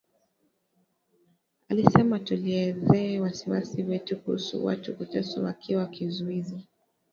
Alisema tulielezea wasiwasi wetu kuhusu watu kuteswa wakiwa kizuizini